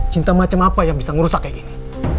cinta macam apa yang bisa ngerusak kayak gini